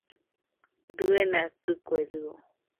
Diena kɨkuedɨo